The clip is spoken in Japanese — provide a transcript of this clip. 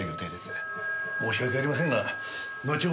申し訳ありませんが後ほどまたお話を。